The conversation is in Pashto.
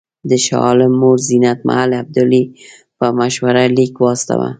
د شاه عالم مور زینت محل ابدالي په مشوره لیک واستاوه.